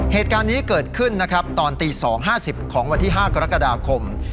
เหตุการณ์นี้เกิดขึ้นนะครับตอนตี๒๕๐ของวันที่๕กรกฎาคม